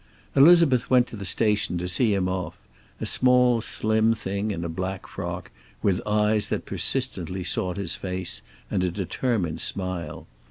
Elizabeth went to the station to see him off, a small slim thing in a black frock, with eyes that persistently sought his face, and a determined smile.